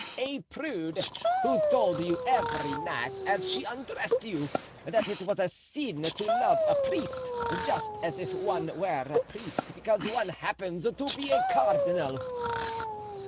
"A prude, who told you every night, as she undressed you, that it was a sin to love a priest, just as if one were a priest because one happens to be a cardinal."